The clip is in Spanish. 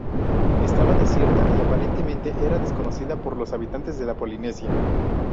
Estaba desierta y aparentemente era desconocida por los habitantes de la Polinesia.